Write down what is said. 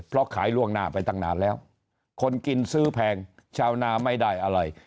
เพราะขายล่วงหน้าไปตั้งนานแล้วคนกินซื้อแพงชาวนาไม่ได้อะไร